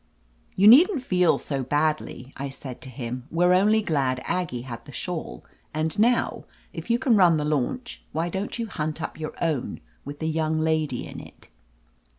"You needn't feel so badly," I said to him. "We're only glad Aggie had the shawl, and now, if you can run the launch, why don't you hunt up your own, with the young lady in it?"